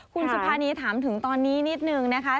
คุณสุภานีถามถึงตอนนี้นิดนึงนะคะ